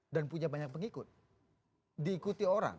dan punya banyak pengikut diikuti orang